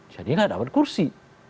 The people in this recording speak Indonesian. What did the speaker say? jadi tidak dapat kursi